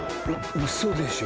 ウソでしょ？